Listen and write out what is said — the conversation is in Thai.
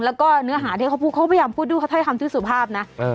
แล้วก็เนื้อหาเนี้ยเขาพยายามพูดดูเขาให้คำชื่อสุภาพนะเออ